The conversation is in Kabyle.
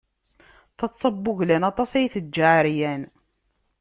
Taḍsa n wuglan, aṭas ay teǧǧa ɛeryan.